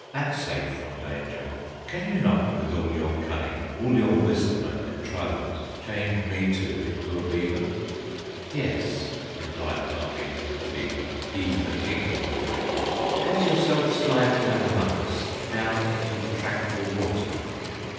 and safe from danger; Can you not, with all your cunning, All your wisdom and contrivance, Change me, too, into a beaver?" "Yes!" replied Ahmeek, the beaver, He the King of all the beavers, "Let yourself slide down among us, Down into the tranquil water."